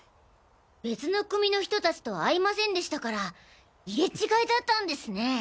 別の組の人達と会いませんでしたから入れ違いだったんですね。